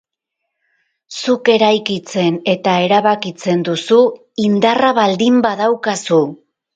Zuk eraikitzen eta erabakitzen duzu, indarra baldin badaukazu.